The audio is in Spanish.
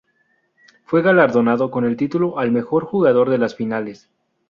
Fue galardonado con el título al mejor jugador de las finales.